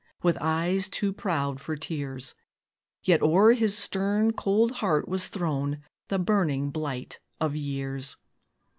_ With eyes too proud for tears; Yet o'er his stern, cold heart was thrown The burning blight of years.